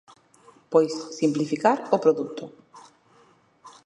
Pois simplificar o produto.